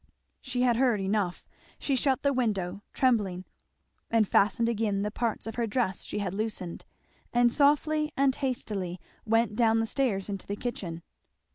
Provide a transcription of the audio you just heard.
She had heard enough. She shut the window, trembling, and fastened again the parts of her dress she had loosened; and softly and hastily went down the stairs into the kitchen.